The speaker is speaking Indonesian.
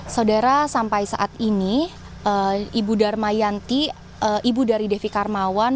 saudara sampai saat ini ibu dharma yanti ibu dari devi karmawan